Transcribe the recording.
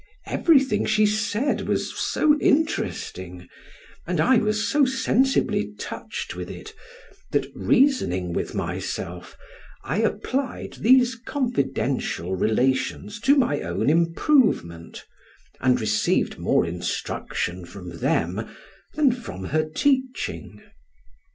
Everything she said was so interesting, and I was so sensibly touched with it, that, reasoning with myself, I applied these confidential relations to my own improvement and received more instruction from them than from her teaching.